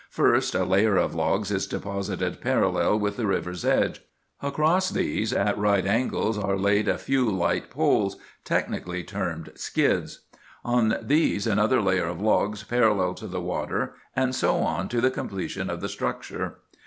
First a layer of logs is deposited parallel with the river's edge. Across these, at right angles, are laid a few light poles, technically termed skids. On these another layer of logs parallel to the water, and so on to the completion of the structure.